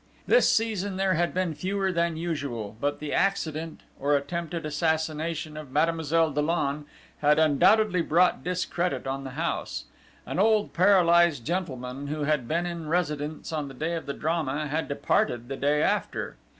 This season there had been fewer than usual; but the accident, or attempted assassination of Mademoiselle Dollon, had undoubtedly brought discredit on the house. An old paralysed gentleman, who had been in residence on the day of the drama, had departed the day after.